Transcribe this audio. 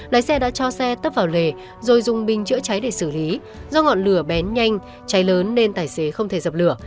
lái xe đã cho xe tấp vào lề rồi dùng bình chữa cháy để xử lý do ngọn lửa bén nhanh cháy lớn nên tài xế không thể dập lửa